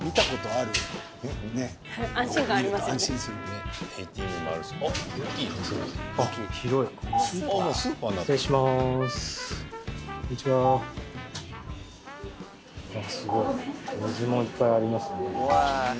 あっすごい水もいっぱいありますね。